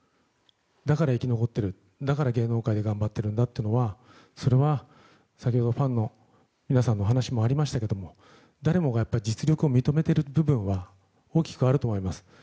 だから生き残っているだから芸能界で頑張っているんだというのはそれは先ほど、ファンの皆さんのお話もありましたけど誰もが実力を認めている部分は大きくあると思います。